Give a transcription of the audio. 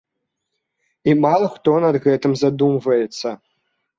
І мала хто над гэтым задумваецца.